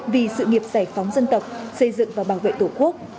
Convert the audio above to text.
vì sự nghiệp giải phóng dân tộc xây dựng và bảo vệ tổ quốc